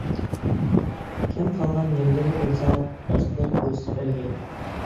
كەم قالغان يەرلىرى بولسا باشقىلار كۆرسىتىپ بەرگەي!